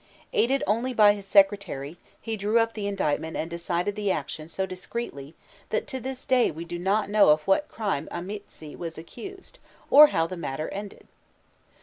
Aided only by his secretary, he drew up the indictment and decided the action so discreetly, that to this day we do not know of what crime Amîtsi was accused or how the matter ended.